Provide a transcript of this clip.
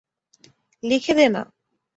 লিখে দে না।